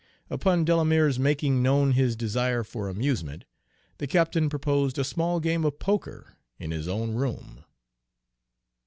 Upon Delamere's making known his desire for amusement, the captain proposed a small game of poker in his own room.